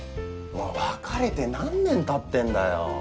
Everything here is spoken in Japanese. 別れて何年経ってんだよ。